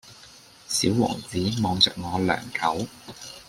小王子望著我良久